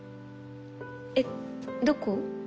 えっどこ？